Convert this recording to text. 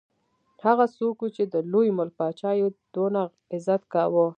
هغه څوک وو چې د لوی ملک پاچا یې دونه عزت کاوه.